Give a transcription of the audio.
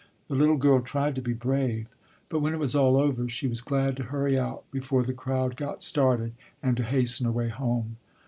The little girl tried to be brave, but when it was all over she was glad to hurry out before the crowd got started and to hasten away home.